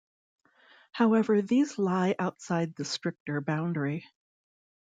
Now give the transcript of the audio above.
However, these lie outside the stricter boundary.